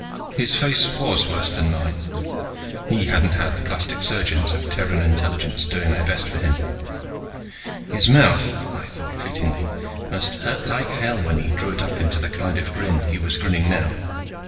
His face was worse than mine; he hadn't had the plastic surgeons of Terran Intelligence doing their best for him. His mouth, I thought fleetingly, must hurt like hell when he drew it up into the kind of grin he was grinning now.